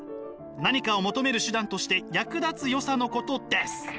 何かを求める手段として役立つよさのことです。